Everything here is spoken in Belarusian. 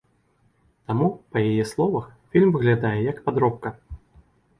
Таму, па яе словах, фільм выглядае як падробка.